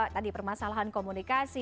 tadi permasalahan komunikasi